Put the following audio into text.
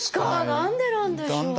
何でなんでしょう？